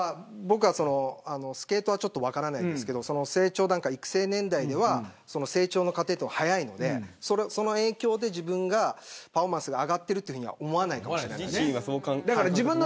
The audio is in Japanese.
僕は、スケートはちょっと分からないですけど、成長段階育成年代では、成長の過程が早いのでその影響で自分がパフォーマンスが上がってるとは思わないかもしれないですね。